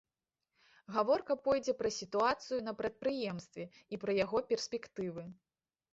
Гаворка пойдзе пра сітуацыю на прадпрыемстве і пра яго перспектывы.